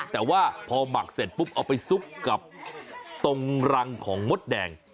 แต่ว่าพอหมักเสร็จปุ๊บเอาไปซุกกับตรงรังของมดแดง